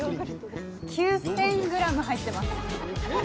９０００グラム入ってます。